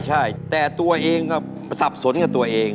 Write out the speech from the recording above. ใช่แต่ตัวเองก็สับสนกับตัวเอง